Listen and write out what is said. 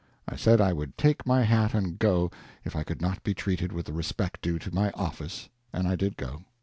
I said I would take my hat and go, if I could not be treated with the respect due to my office, and I did go.